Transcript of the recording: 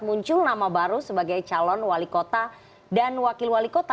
muncul nama baru sebagai calon wali kota dan wakil wali kota